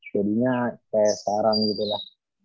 jadinya kayak sekarang gitu lah